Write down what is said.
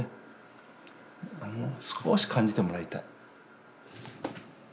少し感じてもらいたい。